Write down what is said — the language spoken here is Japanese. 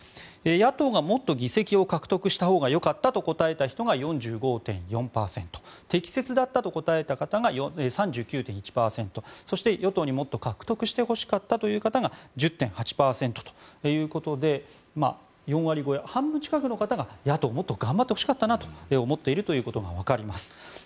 野党がもっと議席を獲得したほうがよかったと答えた人が４５．４％適切だったと答えた方が３９．１％そして、与党にもっと獲得してほしかったという方が１０．８％ということで４割超え、半分近くの人が野党もっと頑張ってほしかったなと思っているということがわかります。